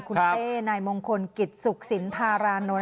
คุณเต้นายมงคลกิจสุขสินธารานนท์